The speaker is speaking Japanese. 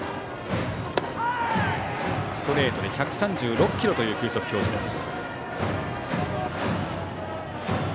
ストレートで１３６キロという球速表示です。